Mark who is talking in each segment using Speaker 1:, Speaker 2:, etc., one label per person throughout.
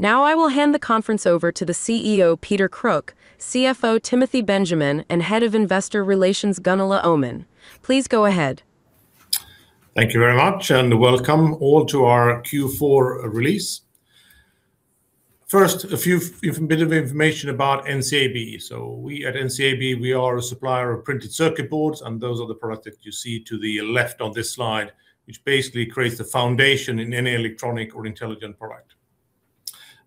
Speaker 1: Now I will hand the conference over to the CEO, Peter Kruk, CFO, Timothy Benjamin, and Head of Investor Relations, Gunilla Öhman. Please go ahead.
Speaker 2: Thank you very much, and welcome all to our Q4 release. First, a few, a bit of information about NCAB. So we at NCAB, we are a supplier of printed circuit boards, and those are the products that you see to the left on this slide, which basically creates the foundation in any electronic or intelligent product.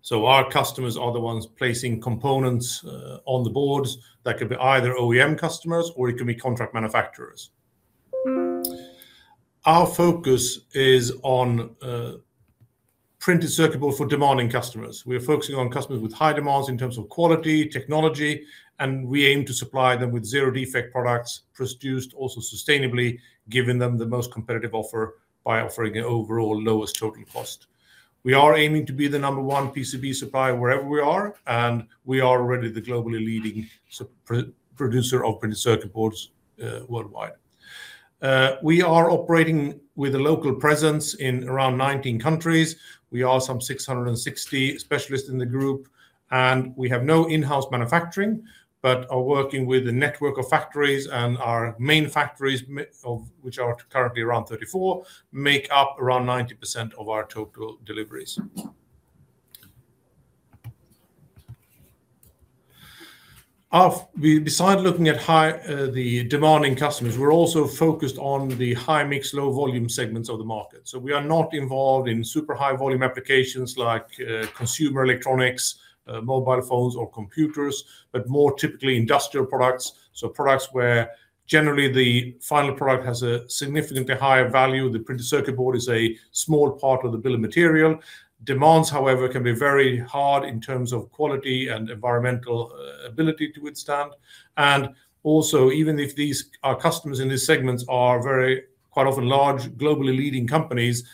Speaker 2: So our customers are the ones placing components on the boards. That could be either OEM customers, or it can be contract manufacturers. Our focus is on printed circuit board for demanding customers. We are focusing on customers with high demands in terms of quality, technology, and we aim to supply them with zero defect products, produced also sustainably, giving them the most competitive offer by offering an overall lowest total cost. We are aiming to be the number one PCB supplier wherever we are, and we are already the globally leading producer of printed circuit boards worldwide. We are operating with a local presence in around 19 countries. We are 660 specialists in the group, and we have no in-house manufacturing, but are working with a network of factories and our main factories, most of which are currently around 34, make up around 90% of our total deliveries. Besides looking at highly demanding customers, we're also focused on the high-mix, low-volume segments of the market. So we are not involved in super high-volume applications like, consumer electronics, mobile phones or computers, but more typically industrial products. So products where generally the final product has a significantly higher value. The printed circuit board is a small part of the bill of material. Demands, however, can be very hard in terms of quality and environmental ability to withstand. Also, even if these, our customers in these segments are very, quite often large, globally leading companies,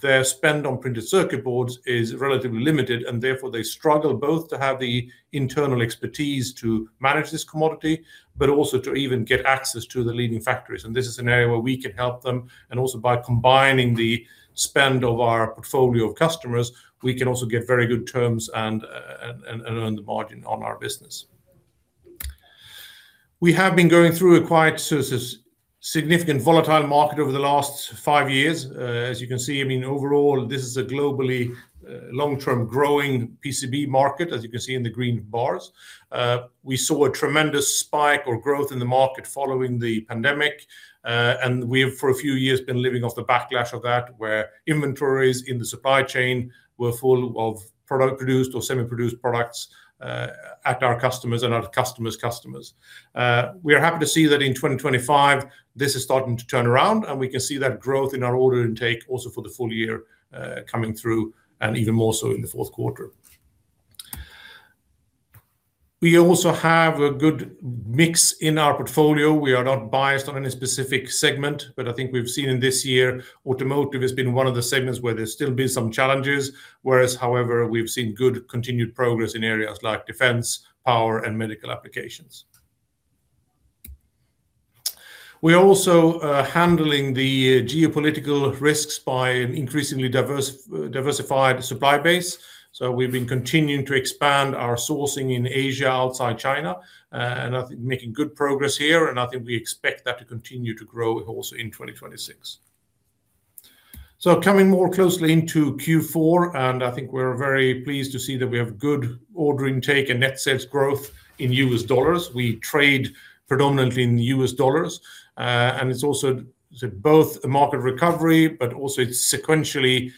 Speaker 2: their spend on printed circuit boards is relatively limited, and therefore they struggle both to have the internal expertise to manage this commodity, but also to even get access to the leading factories. This is an area where we can help them. Also by combining the spend of our portfolio of customers, we can also get very good terms and earn the margin on our business. We have been going through a quite significant volatile market over the last five years. As you can see, I mean, overall, this is a globally long-term growing PCB market, as you can see in the green bars. We saw a tremendous spike or growth in the market following the pandemic, and we have, for a few years, been living off the backlash of that, where inventories in the supply chain were full of product produced or semi-produced products at our customers and our customers' customers. We are happy to see that in 2025, this is starting to turn around, and we can see that growth in our order intake also for the full year coming through, and even more so in the fourth quarter. We also have a good mix in our portfolio. We are not biased on any specific segment, but I think we've seen in this year, automotive has been one of the segments where there's still been some challenges, whereas, however, we've seen good continued progress in areas like defense, power, and medical applications. We're also handling the geopolitical risks by an increasingly diverse, diversified supply base. So we've been continuing to expand our sourcing in Asia, outside China, and I think making good progress here, and I think we expect that to continue to grow also in 2026. So coming more closely into Q4, and I think we're very pleased to see that we have good order intake and net sales growth in U.S. dollars. We trade predominantly in U.S. dollars, and it's also both a market recovery, but also it's sequentially,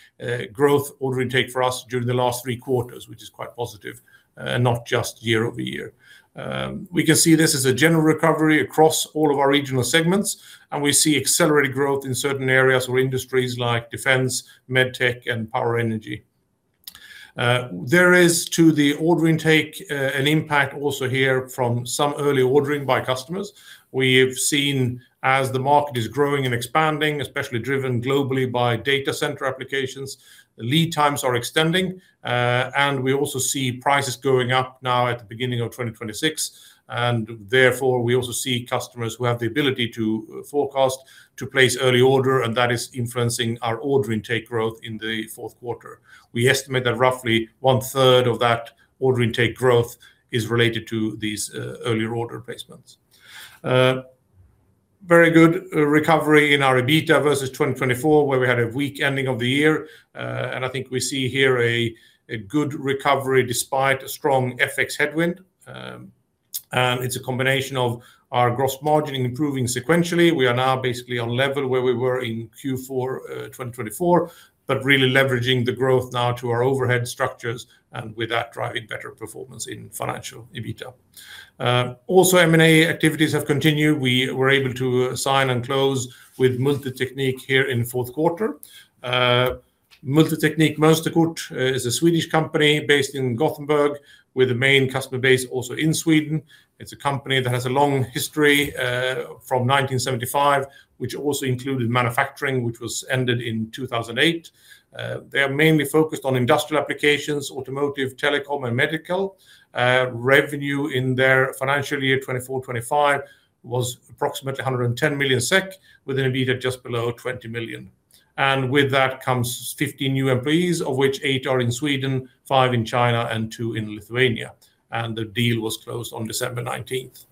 Speaker 2: growth order intake for us during the last three quarters, which is quite positive, not just year-over-year. We can see this as a general recovery across all of our regional segments, and we see accelerated growth in certain areas or industries like defense, MedTech, and power energy. There is, to the order intake, an impact also here from some early ordering by customers. We've seen as the market is growing and expanding, especially driven globally by data center applications, lead times are extending, and we also see prices going up now at the beginning of 2026, and therefore, we also see customers who have the ability to forecast, to place early order, and that is influencing our order intake growth in the fourth quarter. We estimate that roughly one-third of that order intake growth is related to these earlier order placements. Very good recovery in our EBITDA versus 2024, where we had a weak ending of the year. And I think we see here a good recovery despite a strong FX headwind. And it's a combination of our gross margin improving sequentially. We are now basically on level where we were in Q4 2024, but really leveraging the growth now to our overhead structures, and with that, driving better performance in financial EBITDA. Also, M&A activities have continued. We were able to sign and close with Multi-Teknik here in fourth quarter. Multi-Teknik Mönsterkort is a Swedish company based in Gothenburg, with a main customer base also in Sweden. It's a company that has a long history from 1975, which also included manufacturing, which was ended in 2008. They are mainly focused on industrial applications, automotive, telecom, and medical. Revenue in their financial year 2024, 2025 was approximately 110 million SEK, with an EBITDA just below 20 million. And with that comes 50 new employees, of which eight are in Sweden, five in China, and two in Lithuania. And the deal was closed on December 19th....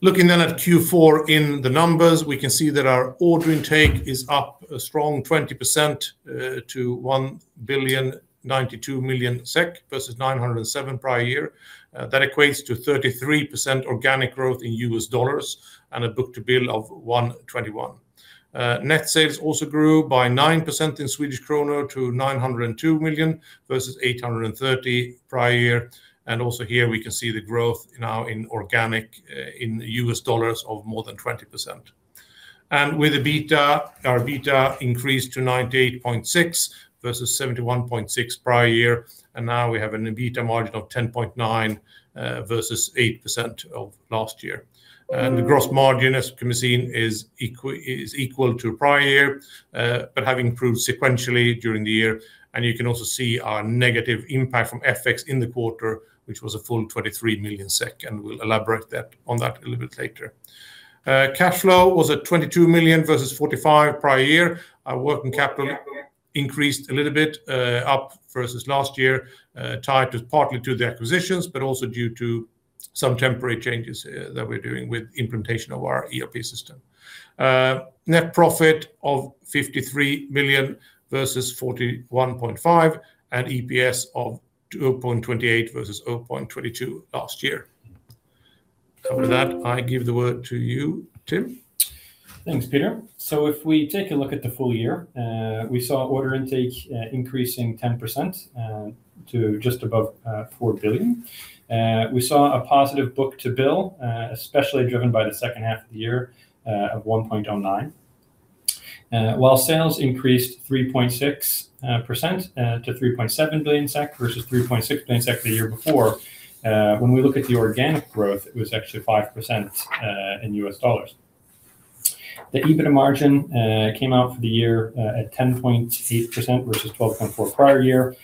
Speaker 2: Looking then at Q4 in the numbers, we can see that our order intake is up a strong 20%, to 1,092 million SEK versus 907 million prior year. That equates to 33% organic growth in U.S. dollars, and a Book-to-Bill of 1.21. Net sales also grew by 9% in Swedish krona to 902 million versus 830 million prior year, and also here we can see the growth now in organic, in U.S. dollars of more than 20%. And with EBITDA, our EBITDA increased to 98.6 million versus 71.6 million prior year, and now we have an EBITDA margin of 10.9%, versus 8% of last year. And the gross margin, as you can see, is equal to prior year, but having improved sequentially during the year, and you can also see our negative impact from FX in the quarter, which was a full 23 million SEK, and we'll elaborate on that a little bit later. Cash flow was at 22 million versus 45 million prior year. Our working capital increased a little bit, up versus last year, tied partly to the acquisitions, but also due to some temporary changes that we're doing with implementation of our ERP system. Net profit of 53 million versus 41.5 million, and EPS of 2.28 versus 0.22 last year. After that, I give the word to you, Tim.
Speaker 3: Thanks, Peter. So if we take a look at the full year, we saw order intake increasing 10% to just above 4 billion. We saw a positive Book-to-Bill, especially driven by the second half of the year, of 1.09. While sales increased 3.6% to 3.7 billion SEK, versus 3.6 billion SEK the year before, when we look at the organic growth, it was actually 5% in U.S. dollars. The EBITDA margin came out for the year at 10.8% versus 12.4% prior year,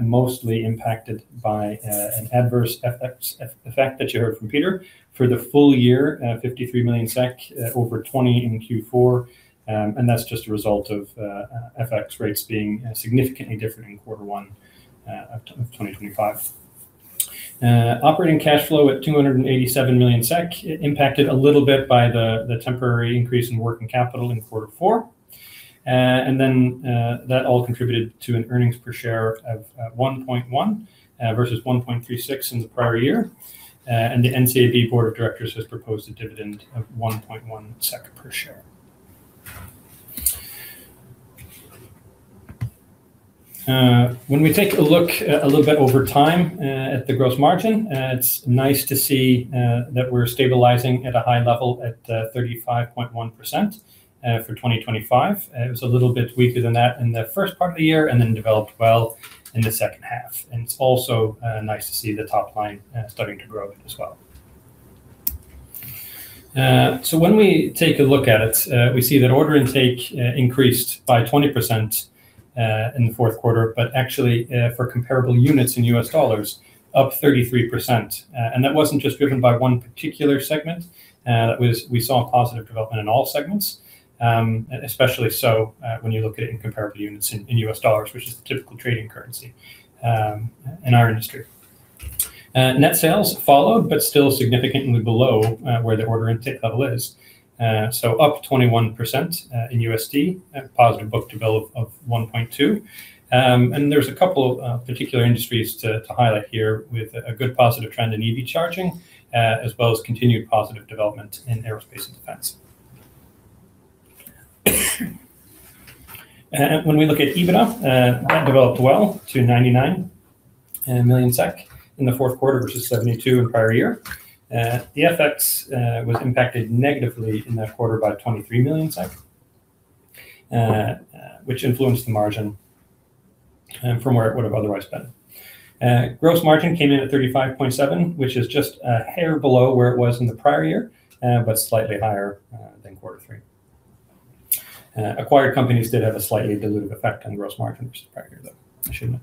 Speaker 3: mostly impacted by an adverse FX effect that you heard from Peter. For the full year, 53 million SEK over 20 million in Q4, and that's just a result of FX rates being significantly different in quarter one of 2025. Operating cash flow at 287 million SEK, impacted a little bit by the temporary increase in working capital in quarter four. Then, that all contributed to an earnings per share of 1.1 versus 1.36 in the prior year. The NCAB Board of Directors has proposed a dividend of 1.1 SEK per share. When we take a look a little bit over time at the gross margin, it's nice to see that we're stabilizing at a high level at 35.1% for 2025. It was a little bit weaker than that in the first part of the year and then developed well in the second half, and it's also nice to see the top line starting to grow as well. So when we take a look at it, we see that order intake increased by 20% in the fourth quarter, but actually, for comparable units in U.S. dollars, up 33%. And that wasn't just driven by one particular segment, that was, we saw a positive development in all segments. Especially so, when you look at it in comparable units in U.S. dollars, which is the typical trading currency in our industry. Net sales followed, but still significantly below where the order intake level is. So up 21% in USD, a positive Book-to-Bill of 1.2. There's a couple of particular industries to highlight here, with a good positive trend in EV charging, as well as continued positive development in aerospace and defense. When we look at EBITDA, that developed well to 99 million SEK in the fourth quarter, versus 72 million in prior year. The FX was impacted negatively in that quarter by 23 million SEK, which influenced the margin from where it would have otherwise been. Gross margin came in at 35.7%, which is just a hair below where it was in the prior year, but slightly higher than quarter three. Acquired companies did have a slightly dilutive effect on gross margin versus the prior year, though. I should note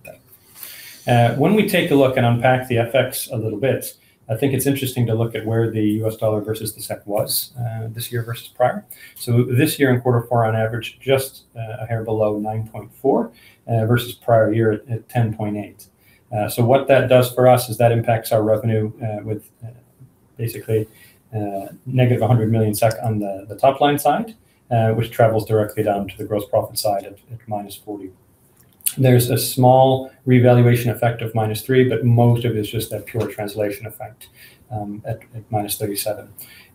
Speaker 3: that. When we take a look and unpack the FX a little bit, I think it's interesting to look at where the U.S. dollar versus the SEK was, this year versus prior. So this year in quarter four, on average, just a hair below 9.4, versus prior year at 10.8. So what that does for us is that impacts our revenue, with basically -100 million SEK on the top-line side, which travels directly down to the gross profit side at -40 million. There's a small revaluation effect of -3 million, but most of it is just that pure translation effect at -37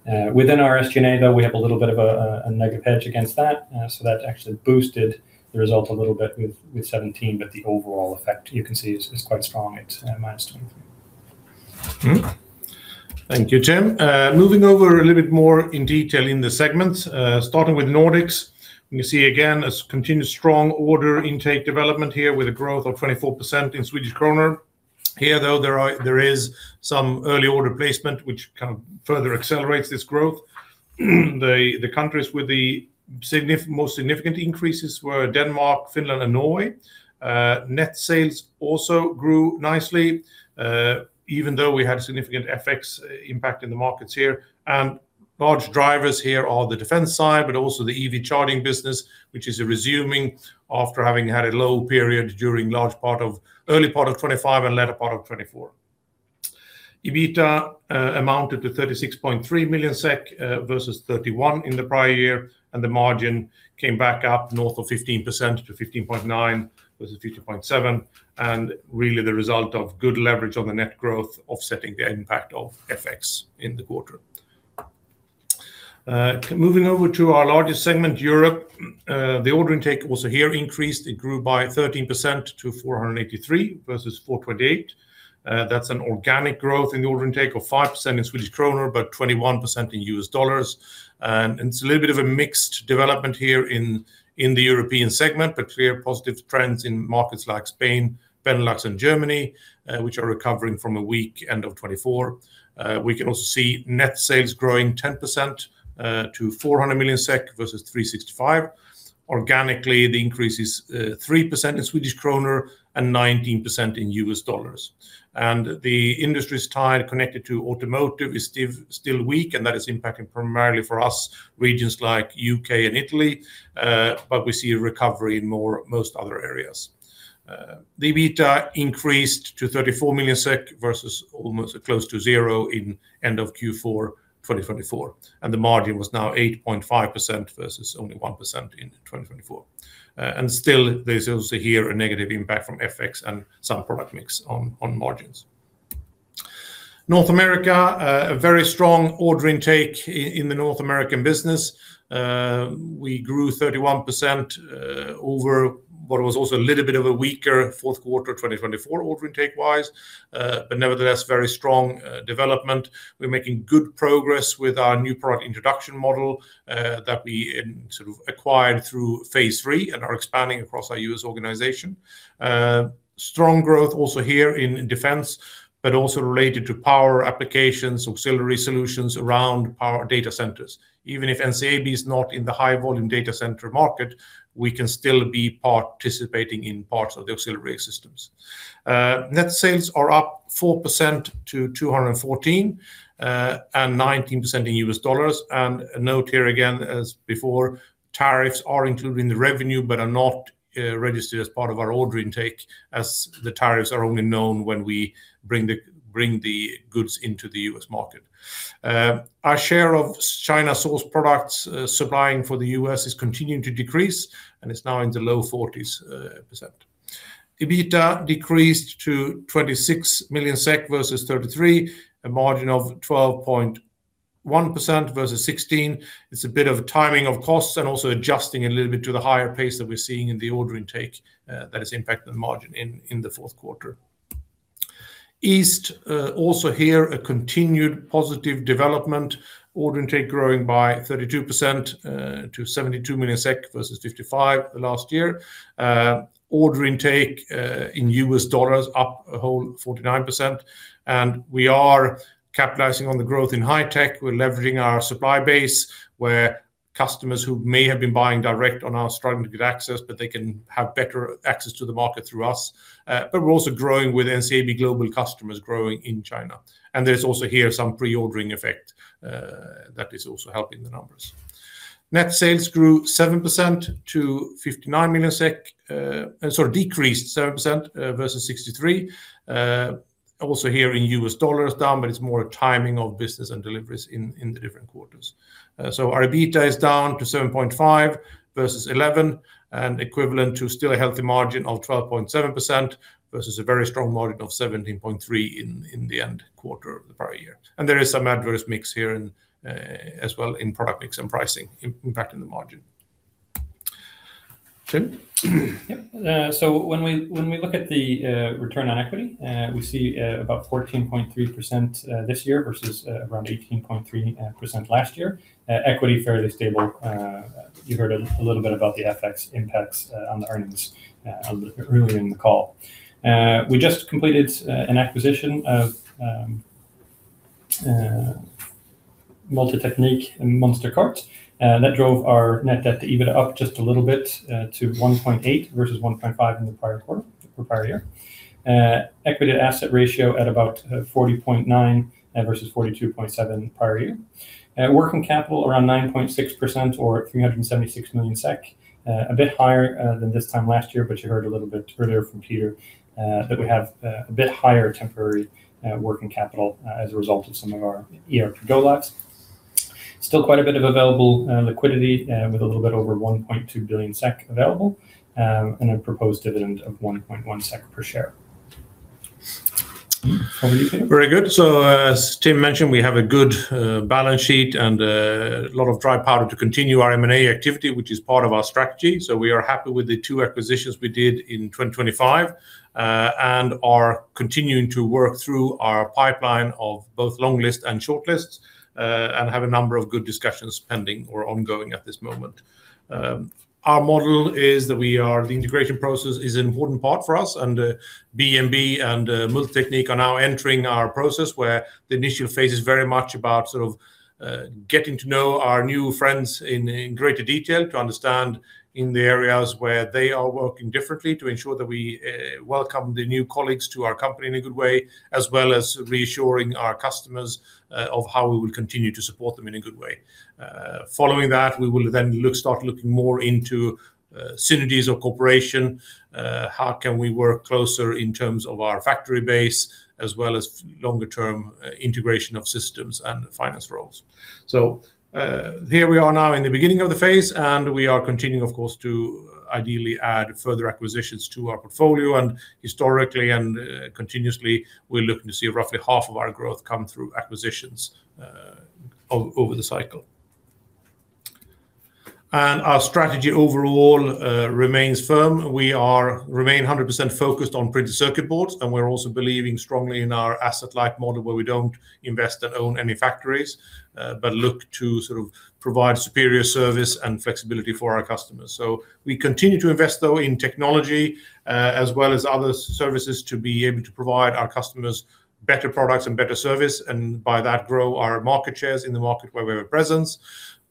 Speaker 3: million. Within our SG&A, though, we have a little bit of a negative hedge against that, so that actually boosted the result a little bit with 17 million, but the overall effect you can see is quite strong at -20 million.
Speaker 2: Mm-hmm. Thank you, Tim. Moving over a little bit more in detail in the segments, starting with Nordics. We see again a continued strong order intake development here with a growth of 24% in Swedish krona. Here, though, there is some early order placement which kind of further accelerates this growth. The countries with the most significant increases were Denmark, Finland, and Norway. Net sales also grew nicely, even though we had significant FX impact in the markets here, and large drivers here are the defense side, but also the EV charging business, which is resuming after having had a low period during large part of early part of 2025 and latter part of 2024. EBITDA amounted to 36.3 million SEK versus 31 million in the prior year, and the margin came back up north of 15%-15.9% versus 15.7%, and really the result of good leverage on the net growth, offsetting the impact of FX in the quarter. Moving over to our largest segment, Europe, the order intake also here increased. It grew by 13% to 483 million versus 428 million. That's an organic growth in the order intake of 5% in Swedish krona, but 21% in U.S. dollars. And it's a little bit of a mixed development here in the European segment, but clear positive trends in markets like Spain, Benelux and Germany, which are recovering from a weak end of 2024. We can also see net sales growing 10% to 400 million SEK versus 365 million. Organically, the increase is 3% in Swedish krona and 19% in U.S. dollars. And the industry's tide connected to automotive is still weak, and that is impacting primarily for us regions like U.K. and Italy, but we see a recovery in most other areas. The EBITDA increased to 34 million SEK versus almost close to zero in end of Q4 2024, and the margin was now 8.5% versus only 1% in 2024. And still there's also here a negative impact from FX and some product mix on margins. North America, a very strong order intake in the North American business. We grew 31% over what was also a little bit of a weaker fourth quarter 2024 order intake-wise, but nevertheless, very strong development. We're making good progress with our new product introduction model that we sort of acquired through phase III and are expanding across our U.S. organization. Strong growth also here in defense, but also related to power applications, auxiliary solutions around power data centers. Even if NCAB is not in the high-volume data center market, we can still be participating in parts of the auxiliary systems. Net sales are up 4% to 214 million and 19% in U.S. dollars. A note here again, as before, tariffs are included in the revenue, but are not registered as part of our order intake, as the tariffs are only known when we bring the goods into the U.S. market. Our share of China source products supplying for the U.S. is continuing to decrease, and it's now in the low 40s%. EBITDA decreased to 26 million SEK versus 33 million, a margin of 12.1% versus 16%. It's a bit of timing of costs and also adjusting a little bit to the higher pace that we're seeing in the order intake that is impacting the margin in the fourth quarter. East also here, a continued positive development. Order intake growing by 32% to 72 million SEK versus 55 million last year. Order intake in U.S. dollars up a whole 49%, and we are capitalizing on the growth in high tech. We're leveraging our supply base, where customers who may have been buying direct on are struggling to get access, but they can have better access to the market through us. But we're also growing with NCAB global customers growing in China, and there's also here some pre-ordering effect that is also helping the numbers. Net sales grew 7% to 59 million SEK, sorry, decreased 7% versus 63. Also here in U.S. dollars, down, but it's more a timing of business and deliveries in the different quarters. Our EBITDA is down to 7.5 million versus 11 million, and equivalent to still a healthy margin of 12.7%, versus a very strong margin of 17.3% in the end quarter of the prior year. There is some adverse mix here, as well, in product mix and pricing impacting the margin. Tim?
Speaker 3: Yep. So when we, when we look at the, return on equity, we see, about 14.3% this year versus, around 18.3% last year. Equity fairly stable. You heard a, a little bit about the FX impacts, on the earnings, earlier in the call. We just completed, an acquisition of, Multi-Teknik and Mönsterkort, and that drove our net debt to EBITDA up just a little bit, to 1.8 versus 1.5 in the prior quarter, or prior year. Equity to asset ratio at about, 40.9%, versus 42.7% prior year. Working capital around 9.6% or 376 million SEK, a bit higher than this time last year, but you heard a little bit earlier from Peter that we have a bit higher temporary working capital as a result of some of our ERP lots. Still quite a bit of available liquidity with a little bit over 1.2 billion SEK available, and a proposed dividend of 1.1 SEK per share. Over to you, Peter.
Speaker 2: Very good. So as Tim mentioned, we have a good balance sheet and a lot of dry powder to continue our M&A activity, which is part of our strategy. So we are happy with the two acquisitions we did in 2025 and are continuing to work through our pipeline of both long list and shortlists and have a number of good discussions pending or ongoing at this moment. Our model is that we are the integration process is an important part for us, and B&B and Multi-Teknik are now entering our process, where the initial phase is very much about sort of getting to know our new friends in greater detail, to understand in the areas where they are working differently, to ensure that we welcome the new colleagues to our company in a good way, as well as reassuring our customers of how we will continue to support them in a good way. Following that, we will then start looking more into synergies of cooperation, how can we work closer in terms of our factory base, as well as longer-term integration of systems and finance roles. So, here we are now in the beginning of the phase, and we are continuing, of course, to ideally add further acquisitions to our portfolio, and historically and, continuously, we're looking to see roughly half of our growth come through acquisitions, over the cycle. And our strategy overall, remains firm. We remain 100% focused on printed circuit boards, and we're also believing strongly in our asset-light model, where we don't invest or own any factories, but look to sort of provide superior service and flexibility for our customers. So we continue to invest, though, in technology, as well as other services, to be able to provide our customers better products and better service, and by that, grow our market shares in the market where we have a presence.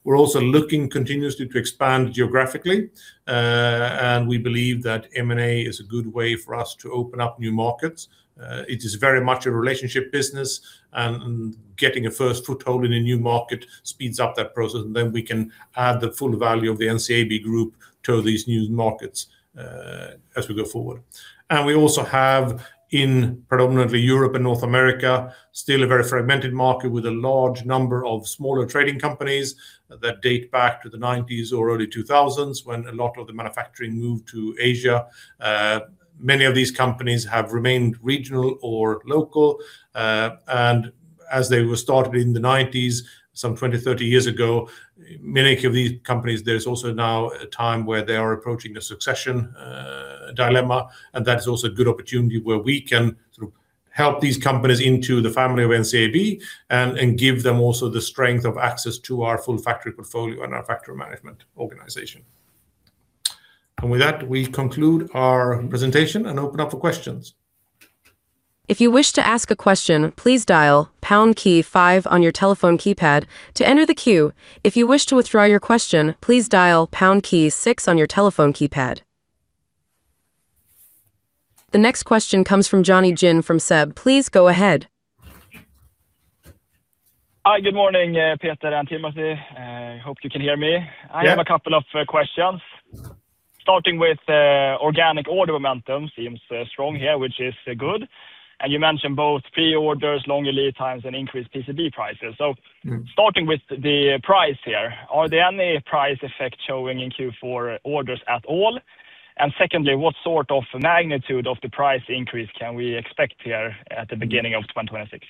Speaker 2: We're also looking continuously to expand geographically, and we believe that M&A is a good way for us to open up new markets. It is very much a relationship business, and, and getting a first foothold in a new market speeds up that process, and then we can add the full value of the NCAB Group to these new markets, as we go forward. And we also have, in predominantly Europe and North America, still a very fragmented market with a large number of smaller trading companies that date back to the 1990s or early 2000s, when a lot of the manufacturing moved to Asia. Many of these companies have remained regional or local, and as they were started in the 1990s, some 20, 30 years ago, many of these companies, there's also now a time where they are approaching a succession dilemma. That is also a good opportunity where we can sort of help these companies into the family of NCAB and give them also the strength of access to our full factory portfolio and our factory management organization. And with that, we conclude our presentation and open up for questions.
Speaker 1: If you wish to ask a question, please dial pound key five on your telephone keypad to enter the queue. If you wish to withdraw your question, please dial pound key six on your telephone keypad. The next question comes from Jonny Jin from SEB. Please go ahead.
Speaker 4: Hi, good morning, Peter and Timothy. I hope you can hear me.
Speaker 2: Yeah.
Speaker 4: I have a couple of questions. Starting with organic order momentum, seems strong here, which is good. And you mentioned both pre-orders, longer lead times, and increased PCB prices.
Speaker 2: Mm.
Speaker 4: Starting with the price here, are there any price effect showing in Q4 orders at all? And secondly, what sort of magnitude of the price increase can we expect here at the beginning of 2026?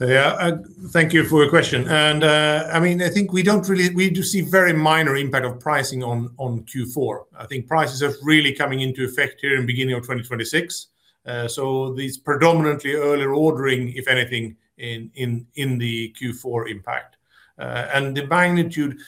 Speaker 2: Yeah, thank you for your question. And, I mean, I think we do see very minor impact of pricing on Q4. I think prices are really coming into effect here in beginning of 2026. So these predominantly earlier ordering, if anything, in the Q4 impact. And the magnitude,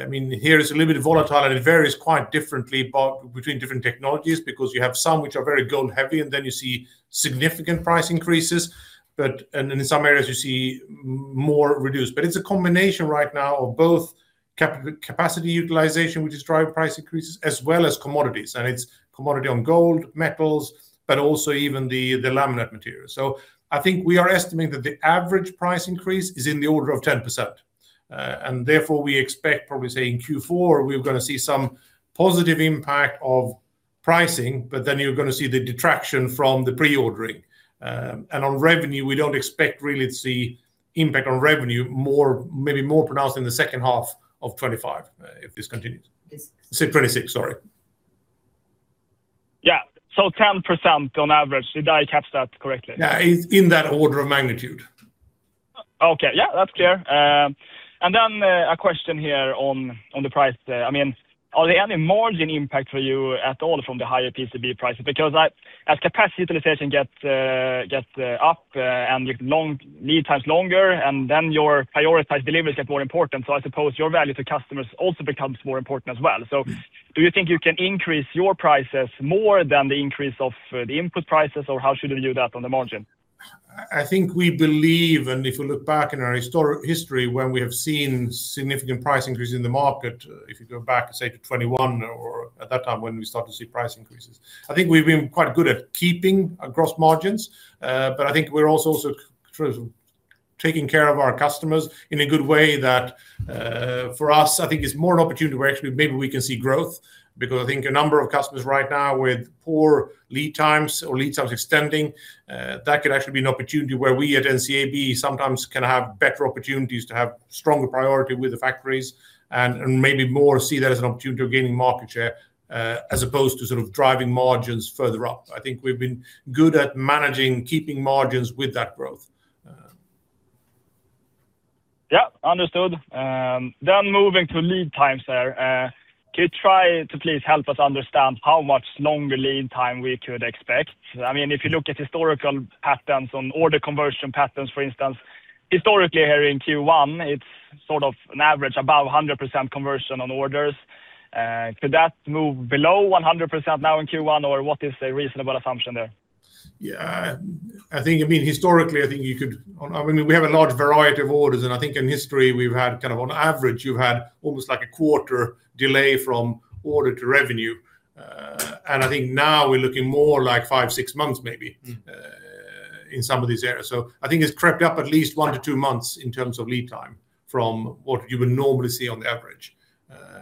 Speaker 2: I mean, here is a little bit volatile, and it varies quite differently, but between different technologies, because you have some which are very gold heavy, and then you see significant price increases. But and in some areas you see more reduced. But it's a combination right now of both capacity utilization, which is driving price increases, as well as commodities, and it's commodity on gold, metals, but also even the laminate materials. So I think we are estimating that the average price increase is in the order of 10%. Therefore, we expect probably say in Q4, we're going to see some positive impact of pricing, but then you're going to see the detraction from the pre-ordering. On revenue, we don't expect really to see impact on revenue, more, maybe more pronounced in the second half of 2025, if this continues.
Speaker 5: Yes.
Speaker 2: Say 2026. Sorry.
Speaker 4: Yeah. So 10% on average, did I catch that correctly?
Speaker 2: Yeah, in that order of magnitude.
Speaker 4: Okay. Yeah, that's clear. And then a question here on the price. I mean, are there any margin impact for you at all from the higher PCB prices? Because as capacity utilization gets up and long-lead times longer, and then your prioritized deliveries get more important. So I suppose your value to customers also becomes more important as well.
Speaker 2: Mm.
Speaker 4: So do you think you can increase your prices more than the increase of the input prices, or how should I view that on the margin?
Speaker 2: I think we believe, and if you look back in our historic history, when we have seen significant price increases in the market, if you go back, say, to 2021 or at that time when we start to see price increases. I think we've been quite good at keeping our gross margins, but I think we're also taking care of our customers in a good way that, for us, I think it's more an opportunity where actually maybe we can see growth. Because I think a number of customers right now with poor lead times or lead times extending, that could actually be an opportunity where we at NCAB sometimes can have better opportunities to have stronger priority with the factories. And maybe more see that as an opportunity of gaining market share, as opposed to sort of driving margins further up. I think we've been good at managing, keeping margins with that growth.
Speaker 4: Yeah, understood. Then moving to lead times there, could you try to please help us understand how much longer lead time we could expect? I mean, if you look at historical patterns on order conversion patterns, for instance, historically here in Q1, it's sort of an average, about 100% conversion on orders. Could that move below 100% now in Q1, or what is a reasonable assumption there?
Speaker 2: Yeah, I think, I mean, historically, I think you could... I mean, we have a large variety of orders, and I think in history, we've had kind of on average, you've had almost like a quarter delay from order to revenue. And I think now we're looking more like five, six months, maybe-
Speaker 4: Mm...
Speaker 2: in some of these areas. So I think it's crept up at least one to two months in terms of lead time from what you would normally see on average.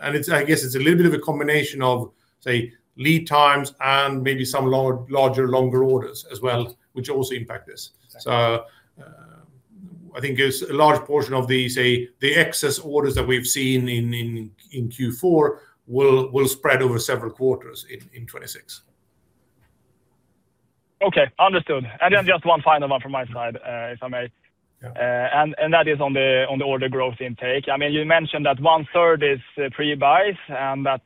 Speaker 2: And it's, I guess it's a little bit of a combination of, say, lead times and maybe some large, larger, longer orders as well, which also impact this.
Speaker 4: Yeah.
Speaker 2: I think it's a large portion of the, say, the excess orders that we've seen in Q4 will spread over several quarters in 2026....
Speaker 4: Okay, understood. And then just one final one from my side, if I may?
Speaker 2: Yeah.
Speaker 4: That is on the order growth intake. I mean, you mentioned that one-third is pre-buys, and that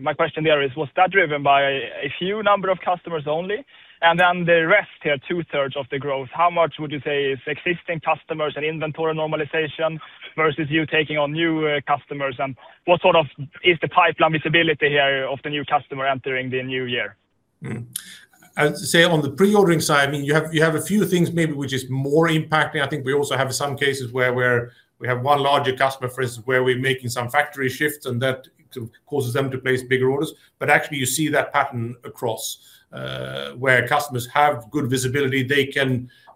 Speaker 4: my question there is: was that driven by a few number of customers only? And then the rest here, two-thirds of the growth, how much would you say is existing customers and inventory normalization versus you taking on new customers? And what sort of is the pipeline visibility here of the new customer entering the new year?
Speaker 2: Mm-hmm. I'd say on the pre-ordering side, I mean, you have, you have a few things maybe which is more impacting. I think we also have some cases where we're, we have one larger customer, for instance, where we're making some factory shifts, and that causes them to place bigger orders. But actually, you see that pattern across, where customers have good visibility.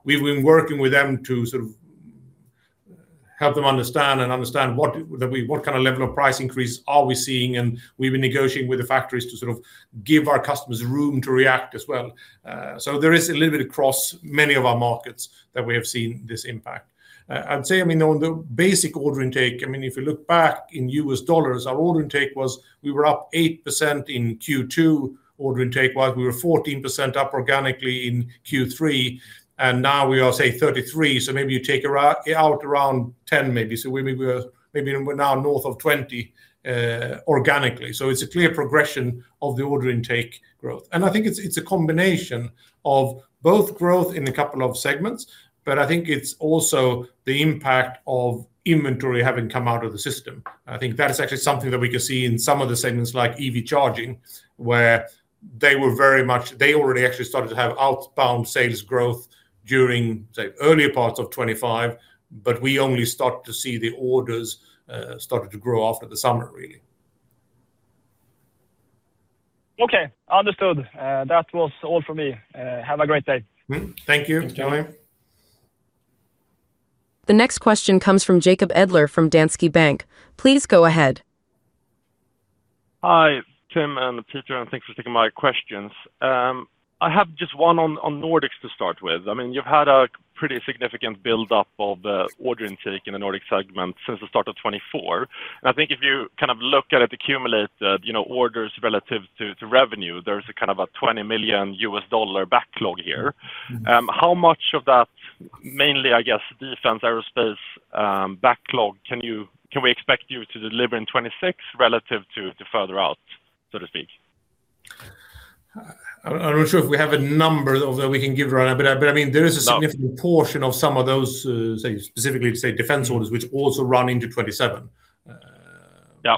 Speaker 2: We've been working with them to sort of help them understand and understand what, that we, what kind of level of price increase are we seeing, and we've been negotiating with the factories to sort of give our customers room to react as well. So there is a little bit across many of our markets that we have seen this impact. I'd say, I mean, on the basic order intake, I mean, if you look back in U.S. dollars, our order intake was. We were up 8% in Q2, order intake-wise. We were 14% up organically in Q3, and now we are, say, 33%. So maybe you take around, out around 10%, maybe. So we, we were, maybe we're now north of 20%, organically. So it's a clear progression of the order intake growth. And I think it's, it's a combination of both growth in a couple of segments, but I think it's also the impact of inventory having come out of the system. I think that is actually something that we can see in some of the segments, like EV charging, where they were very much-- they already actually started to have outbound sales growth during, say, earlier parts of 2025, but we only start to see the orders, started to grow after the summer, really.
Speaker 4: Okay, understood. That was all for me. Have a great day.
Speaker 2: Thank you.
Speaker 3: Thank you.
Speaker 1: The next question comes from Jacob Edler from Danske Bank. Please go ahead.
Speaker 6: Hi, Tim and Peter, and thanks for taking my questions. I have just one on, on Nordics to start with. I mean, you've had a pretty significant build-up of, order intake in the Nordics segment since the start of 2024. And I think if you kind of look at it, accumulated, you know, orders relative to, to revenue, there's a kind of a $20 million backlog here.
Speaker 2: Mm-hmm.
Speaker 6: How much of that mainly, I guess, defense, aerospace, backlog, can you—can we expect you to deliver in 2026 relative to, to further out, so to speak?
Speaker 2: I'm not sure if we have a number for that we can give right now, but, I mean, there is a-
Speaker 6: No...
Speaker 2: significant portion of some of those, say specifically, say, defense orders, which also run into 2027.
Speaker 6: Yeah.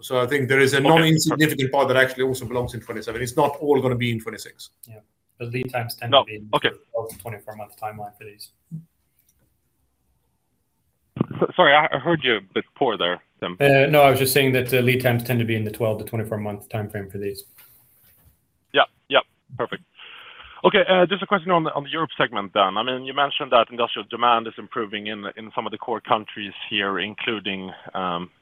Speaker 2: So, I think there is a
Speaker 6: Okay...
Speaker 2: non-insignificant part that actually also belongs in 2027. It's not all going to be in 2027.
Speaker 3: Yeah, but lead times tend to be-
Speaker 6: No. Okay...
Speaker 3: more than 24-month timeline for these.
Speaker 6: Sorry, I heard you a bit poorly there, Tim.
Speaker 3: No, I was just saying that, lead times tend to be in the 12-24-month timeframe for these.
Speaker 6: Yep, yep. Perfect. Okay, just a question on the, on the Europe segment then. I mean, you mentioned that industrial demand is improving in, in some of the core countries here, including,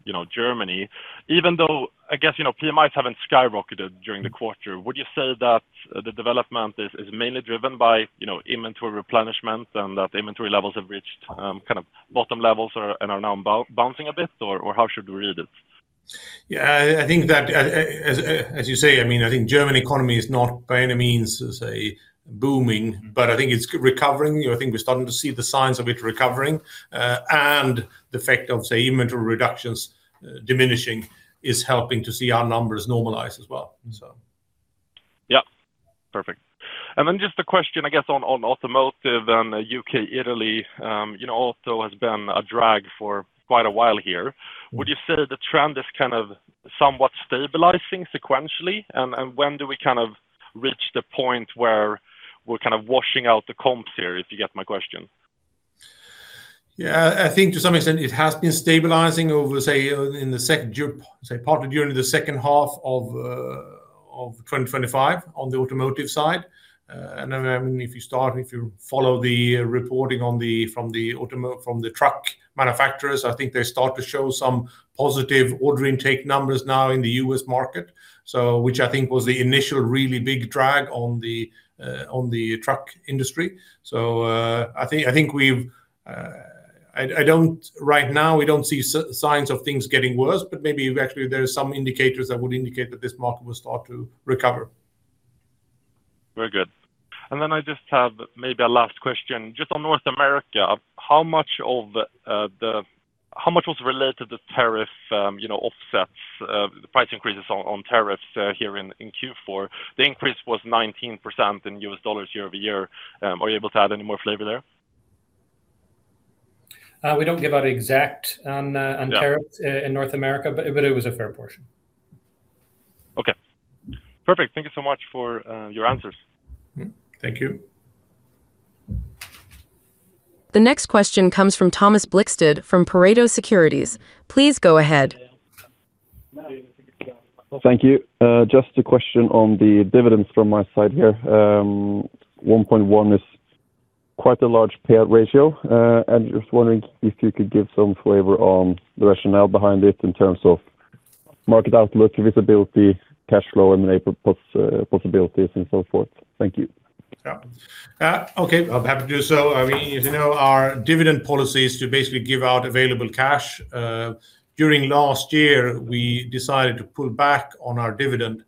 Speaker 6: you know, Germany. Even though I guess, you know, PMIs haven't skyrocketed during the quarter, would you say that, the development is, is mainly driven by, you know, inventory replenishment, and that inventory levels have reached, kind of bottom levels or, and are now bouncing a bit, or, or how should we read it?
Speaker 2: Yeah, I think that, as you say, I mean, I think German economy is not by any means, say, booming, but I think it's recovering. I think we're starting to see the signs of it recovering. And the effect of, say, inventory reductions diminishing is helping to see our numbers normalize as well, so.
Speaker 6: Yep. Perfect. And then just a question, I guess, on automotive and U.K., Italy, you know, also has been a drag for quite a while here.
Speaker 2: Mm-hmm.
Speaker 6: Would you say the trend is kind of somewhat stabilizing sequentially? And when do we kind of reach the point where we're kind of washing out the comps here, if you get my question?
Speaker 2: Yeah, I think to some extent it has been stabilizing over, say, in the second half, say, partly during the second half of 2025 on the automotive side. And then, I mean, if you follow the reporting from the truck manufacturers, I think they start to show some positive order intake numbers now in the U.S. market, so which I think was the initial really big drag on the truck industry. So, I think, I think we've, I, I don't... Right now, we don't see signs of things getting worse, but maybe actually there are some indicators that would indicate that this market will start to recover.
Speaker 6: Very good. Then I just have maybe a last question. Just on North America, how much of the how much was related to tariff, you know, offsets, the price increases on tariffs here in Q4? The increase was 19% in U.S. dollars year-over-year. Are you able to add any more flavor there?
Speaker 3: We don't give out exact on, on-
Speaker 6: Yeah...
Speaker 3: tariffs in North America, but, but it was a fair portion.
Speaker 6: Okay, perfect. Thank you so much for your answers.
Speaker 2: Mm-hmm. Thank you.
Speaker 1: The next question comes from Thomas Blikstad, from Pareto Securities. Please go ahead.
Speaker 7: Thank you. Just a question on the dividends from my side here. One point one is quite a large payout ratio, and just wondering if you could give some flavor on the rationale behind it in terms of market outlook, visibility, cash flow, M&A possibilities, and so forth. Thank you.
Speaker 2: Yeah. Okay, I'm happy to do so. I mean, as you know, our dividend policy is to basically give out available cash. During last year, we decided to pull back on our dividend.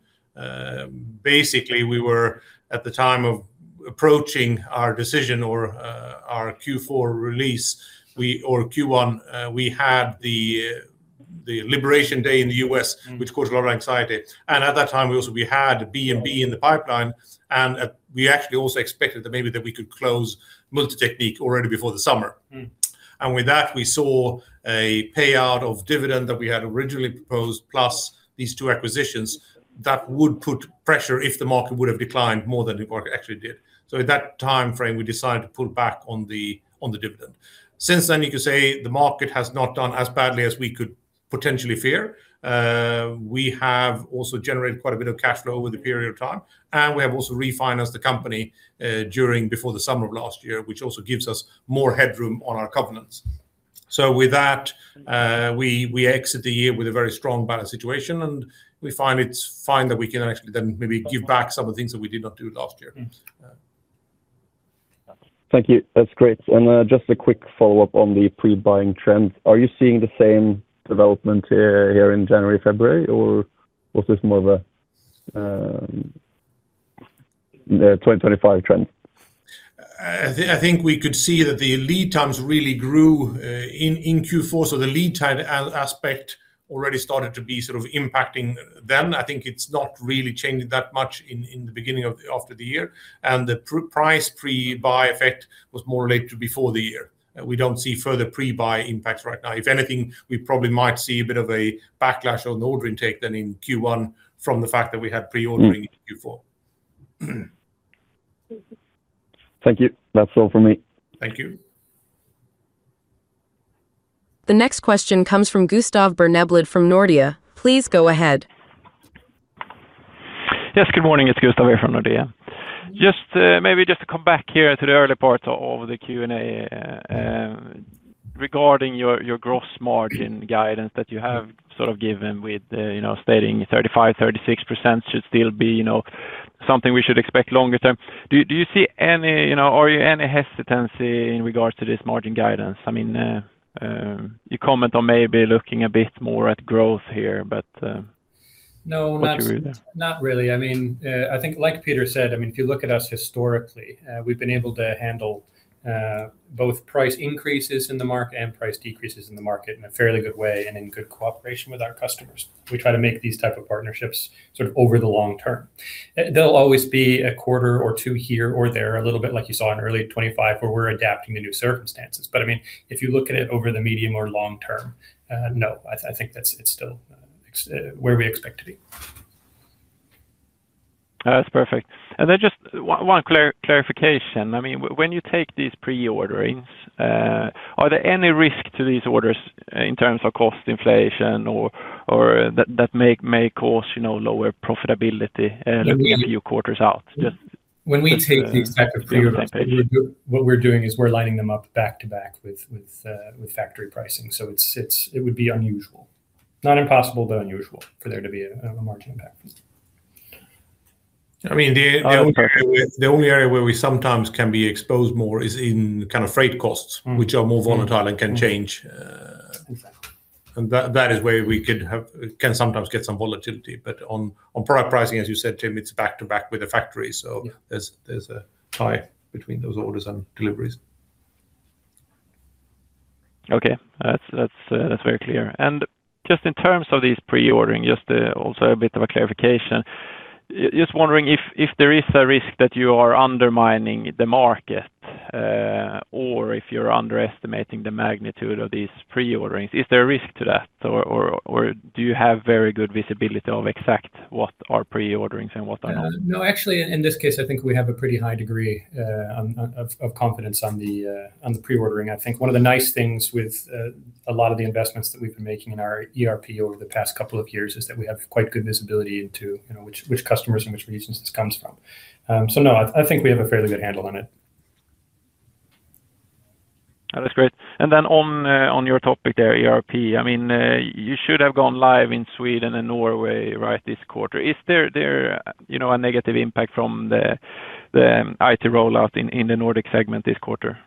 Speaker 2: Basically, we were approaching our decision or our Q4 release or Q1, we had the Election Day in the U.S., which caused a lot of anxiety. And at that time, we also had B&B in the pipeline, and we actually also expected that maybe we could close Multi-Teknik already before the summer.
Speaker 7: Mm.
Speaker 2: With that, we saw a payout of dividend that we had originally proposed, plus these two acquisitions, that would put pressure if the market would have declined more than the market actually did. So at that timeframe, we decided to pull back on the dividend. Since then, you could say the market has not done as badly as we could potentially fear. We have also generated quite a bit of cash flow over the period of time, and we have also refinanced the company before the summer of last year, which also gives us more headroom on our covenants. So with that, we exit the year with a very strong balance situation, and we find it's fine that we can actually then maybe give back some of the things that we did not do last year.
Speaker 7: Mm. Yeah. Thank you. That's great. And just a quick follow-up on the pre-buying trend. Are you seeing the same development here, here in January, February, or was this more of a the 2025 trend?
Speaker 2: I think we could see that the lead times really grew in Q4, so the lead time aspect already started to be sort of impacting then. I think it's not really changed that much in the beginning of the year, and the price pre-buy effect was more related to before the year. We don't see further pre-buy impacts right now. If anything, we probably might see a bit of a backlash on the order intake than in Q1 from the fact that we had pre-ordering-
Speaker 7: Mm...
Speaker 2: in Q4.
Speaker 7: Thank you. That's all from me.
Speaker 2: Thank you.
Speaker 1: The next question comes from Gustav Berneblad from Nordea. Please go ahead.
Speaker 8: Yes, good morning, it's Gustav here from Nordea. Just, maybe just to come back here to the early part of the Q&A. Regarding your gross margin guidance that you have sort of given with, you know, stating 35%-36% should still be, you know, something we should expect longer term. Do you see any, you know, or any hesitancy in regards to this margin guidance? I mean, you comment on maybe looking a bit more at growth here, but,
Speaker 3: No, not, not really. I mean, I think like Peter said, I mean, if you look at us historically, we've been able to handle both price increases in the market and price decreases in the market in a fairly good way, and in good cooperation with our customers. We try to make these type of partnerships sort of over the long term. There'll always be a quarter or two here or there, a little bit like you saw in early 2025, where we're adapting to new circumstances. But I mean, if you look at it over the medium or long term, no, I, I think that's, it's still ex-, where we expect to be.
Speaker 8: That's perfect. And then just one clarification. I mean, when you take these pre-orderings, are there any risk to these orders in terms of cost inflation or that may cause, you know, lower profitability, looking a few quarters out? Just-
Speaker 3: When we take the type of pre-ordering, what we're doing is we're lining them up back to back with factory pricing, so it would be unusual. Not impossible, but unusual for there to be a margin impact.
Speaker 2: I mean, the only area-
Speaker 8: Okay...
Speaker 2: the only area where we sometimes can be exposed more is in kind of freight costs-
Speaker 8: Mm.
Speaker 2: -which are more volatile and can change,
Speaker 3: Exactly.
Speaker 2: That is where we can sometimes get some volatility, but on product pricing, as you said, Tim, it's back to back with the factory.
Speaker 3: Yeah.
Speaker 2: So there's a tie between those orders and deliveries.
Speaker 8: Okay. That's very clear. And just in terms of these pre-ordering, also a bit of a clarification. Just wondering if there is a risk that you are undermining the market, or if you're underestimating the magnitude of these pre-orderings. Is there a risk to that, or do you have very good visibility of exact what are pre-orderings and what are not?
Speaker 3: No, actually, in this case, I think we have a pretty high degree of confidence on the pre-ordering. I think one of the nice things with a lot of the investments that we've been making in our ERP over the past couple of years is that we have quite good visibility into, you know, which customers and which regions this comes from. So no, I think we have a fairly good handle on it.
Speaker 8: That's great. Then on your topic there, ERP, I mean, you should have gone live in Sweden and Norway, right, this quarter. Is there, you know, a negative impact from the IT rollout in the Nordic segment this quarter?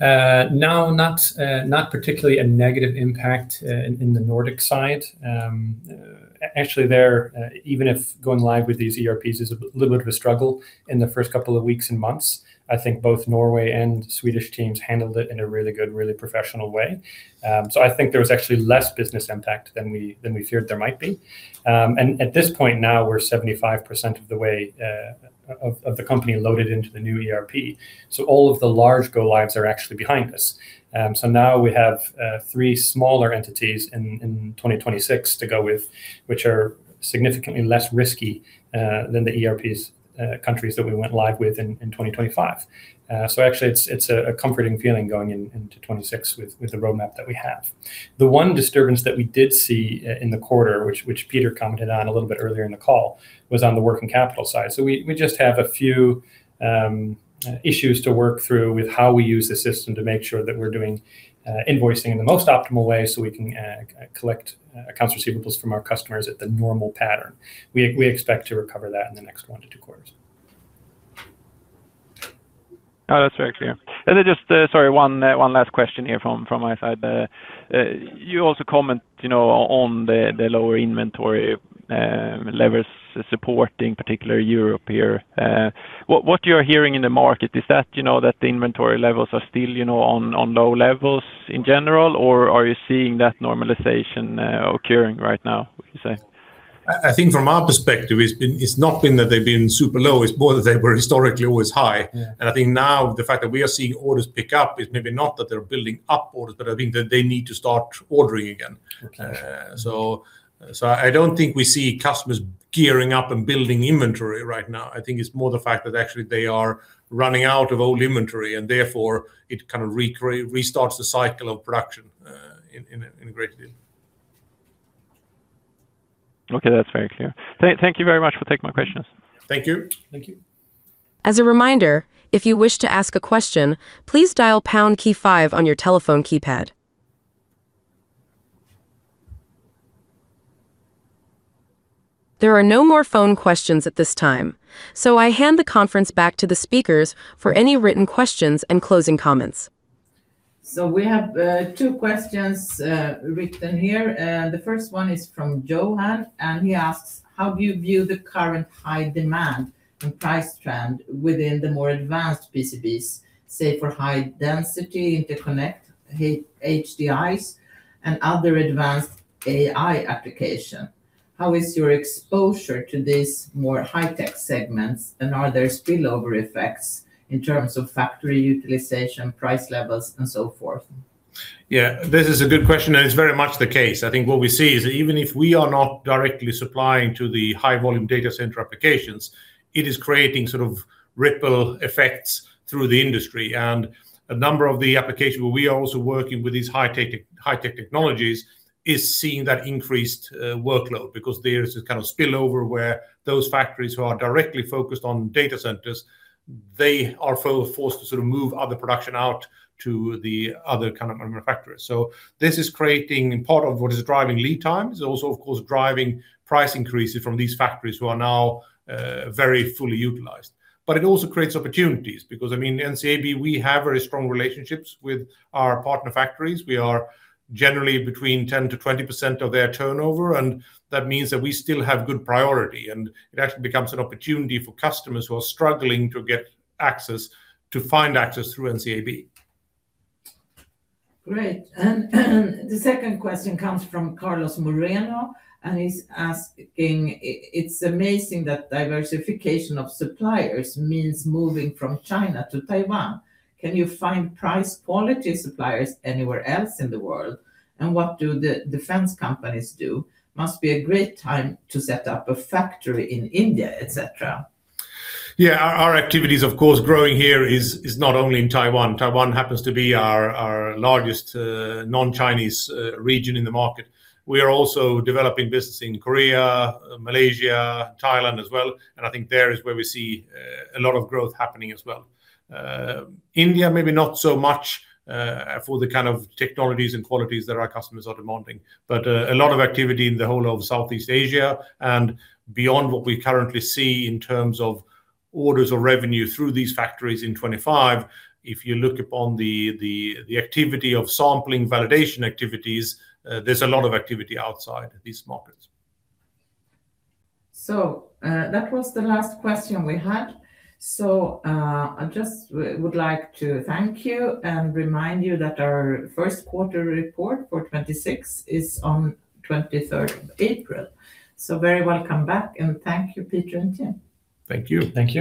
Speaker 3: No, not particularly a negative impact in the Nordic side. Actually there, even if going live with these ERPs is a little bit of a struggle in the first couple of weeks and months, I think both Norway and Swedish teams handled it in a really good, really professional way. So I think there was actually less business impact than we feared there might be. And at this point now, we're 75% of the way of the company loaded into the new ERP. So all of the large go lives are actually behind us. So now we have three smaller entities in 2026 to go with, which are significantly less risky than the ERP countries that we went live with in 2025. So actually, it's a comforting feeling going into 2026 with the roadmap that we have. The one disturbance that we did see in the quarter, which Peter commented on a little bit earlier in the call, was on the working capital side. So we just have a few issues to work through with how we use the system to make sure that we're doing invoicing in the most optimal way, so we can collect accounts receivables from our customers at the normal pattern. We expect to recover that in the next one to two quarters....
Speaker 8: Oh, that's very clear. And then just, sorry, one last question here from my side. You also comment, you know, on the lower inventory levels supporting particularly Europe here. What you're hearing in the market is that, you know, that the inventory levels are still, you know, on low levels in general? Or are you seeing that normalization occurring right now, would you say?
Speaker 2: I think from our perspective, it's not been that they've been super low. It's more that they were historically always high.
Speaker 8: Yeah.
Speaker 2: I think now the fact that we are seeing orders pick up is maybe not that they're building up orders, but I think that they need to start ordering again.
Speaker 8: Okay.
Speaker 2: So, I don't think we see customers gearing up and building inventory right now. I think it's more the fact that actually they are running out of old inventory, and therefore it kind of restarts the cycle of production in a great deal.
Speaker 8: Okay, that's very clear. Thank you very much for taking my questions.
Speaker 2: Thank you.
Speaker 8: Thank you.
Speaker 1: As a reminder, if you wish to ask a question, please dial pound key five on your telephone keypad. There are no more phone questions at this time, so I hand the conference back to the speakers for any written questions and closing comments.
Speaker 5: We have two questions written here. The first one is from Johan, and he asks: How do you view the current high demand and price trend within the more advanced PCBs, say, for high density interconnect, HDIs, and other advanced AI application? How is your exposure to these more high-tech segments, and are there spillover effects in terms of factory utilization, price levels, and so forth?
Speaker 2: Yeah, this is a good question, and it's very much the case. I think what we see is that even if we are not directly supplying to the high-volume data center applications, it is creating sort of ripple effects through the industry. And a number of the applications where we are also working with these high-tech technologies is seeing that increased workload. Because there is this kind of spillover where those factories who are directly focused on data centers, they are forced to sort of move other production out to the other kind of manufacturers. So this is creating part of what is driving lead times, and also, of course, driving price increases from these factories who are now very fully utilized. But it also creates opportunities, because, I mean, NCAB, we have very strong relationships with our partner factories. We are generally between 10%-20% of their turnover, and that means that we still have good priority, and it actually becomes an opportunity for customers who are struggling to get access, to find access through NCAB.
Speaker 5: Great. And the second question comes from Carlos Moreno, and he's asking: It's amazing that diversification of suppliers means moving from China to Taiwan. Can you find price quality suppliers anywhere else in the world? And what do the defense companies do? Must be a great time to set up a factory in India, et cetera.
Speaker 2: Yeah, our activity is of course growing here is not only in Taiwan. Taiwan happens to be our largest non-Chinese region in the market. We are also developing business in Korea, Malaysia, Thailand as well, and I think there is where we see a lot of growth happening as well. India, maybe not so much, for the kind of technologies and qualities that our customers are demanding. But a lot of activity in the whole of Southeast Asia and beyond what we currently see in terms of orders or revenue through these factories in 2025. If you look upon the activity of sampling validation activities, there's a lot of activity outside these markets.
Speaker 5: That was the last question we had. I just would like to thank you and remind you that our first quarter report for 2026 is on 23rd of April. Very welcome back, and thank you, Peter and Tim.
Speaker 2: Thank you.
Speaker 3: Thank you.